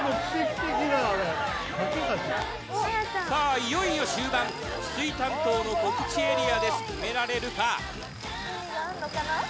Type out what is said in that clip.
いよいよ終盤筒井担当の告知エリアです決められるか？